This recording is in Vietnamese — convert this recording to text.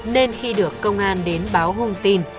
nên khi được công an đến báo hôn tin